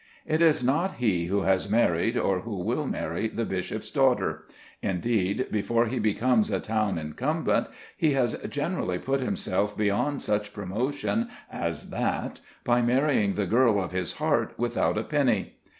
It is not he who has married or who will marry the bishop's daughter. Indeed, before he becomes a town incumbent he has generally put himself beyond such promotion as that by marrying the girl of his heart without a penny.